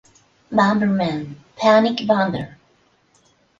Bomberman: Panic Bomber